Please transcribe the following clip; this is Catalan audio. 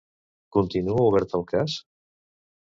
Continua obert el cas?